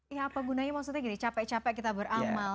ya apa gunanya maksudnya gini capek capek kita beramal